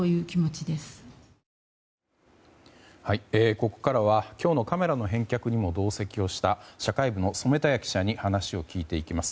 ここからは今日のカメラの返却にも同席をした社会部の染田屋記者に話を聞いていきます。